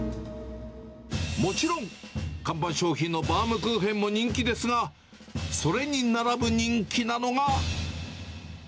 もちろん看板商品のバウムクーヘンも人気ですが、それに並ぶ人気なのが。